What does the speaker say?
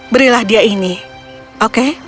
berilah dia ini oke